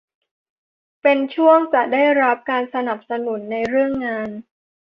เป็นช่วงจะได้รับการสนับสนุนในเรื่องงาน